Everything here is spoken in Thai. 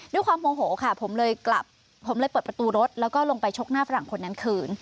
ด้วยความโหม่โหผมเลยปลดประตูรถแล้วก็ลงไปชกหน้าฝรั่งคนนั้นคืน